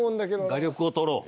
画力を取ろう。